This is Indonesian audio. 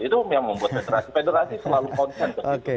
itu yang membuat federasi selalu konsen